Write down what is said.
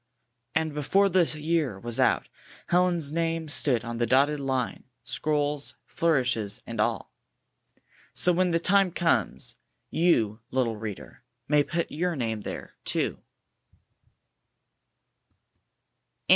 62 And before the year was out, Helen's name stood on the dotted line, scrolls, flourishes, and all. So when the time comes, you, little reader, may put your name there, too.